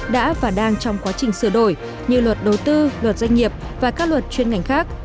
đã và đang trong quá trình sửa đổi như luật đối tư luật doanh nghiệp và các luật chuyên ngành khác